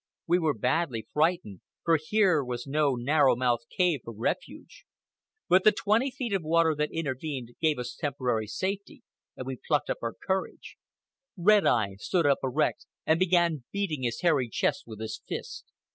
We were badly frightened, for here was no narrow mouthed cave for refuge. But the twenty feet of water that intervened gave us temporary safety, and we plucked up courage. Red Eye stood up erect and began beating his hairy chest with his fist.